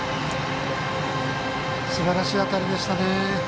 すばらしい当たりでしたね。